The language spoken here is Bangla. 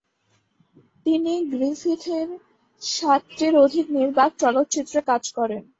তিনি গ্রিফিথের ষাটটির অধিক নির্বাক চলচ্চিত্রে কাজ করেন।